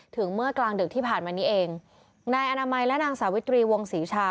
เมื่อกลางดึกที่ผ่านมานี้เองนายอนามัยและนางสาวิตรีวงศรีชา